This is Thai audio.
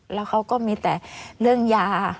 แล้วเขาก็มีแต่เรื่องยา